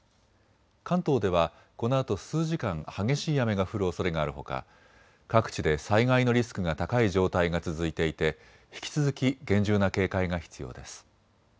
関東ではこのあと数時間激しい雨が降るおそれがあるほか各地で災害のリスクが高い状態が続いていて引き続き厳重な警戒が必要です。